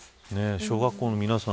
小学校の皆さん